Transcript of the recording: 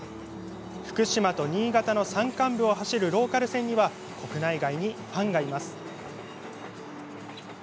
福島と新潟の山間部を走るローカル線には国内外にファンがいます。